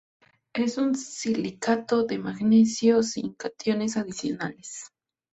Es un silicato de magnesio sin cationes adicionales.